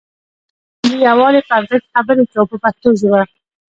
دلته د ملي یووالي په ارزښت خبرې کوو په پښتو ژبه.